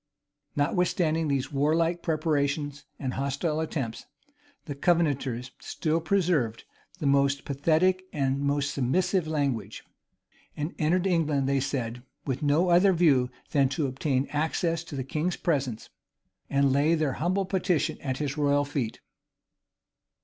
[] Notwithstanding these warlike preparations and hostile attempts, the Covenanters still preserved the most pathetic and most submissive language; and entered England, they said, with no other view than to obtain access to the king's presence, and lay their humble petition at his royal feet.